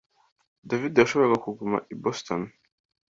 David yashoboraga kuguma i Boston